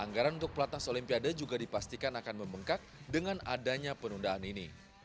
anggaran untuk pelatnas olimpiade juga dipastikan akan membengkak dengan adanya penundaan ini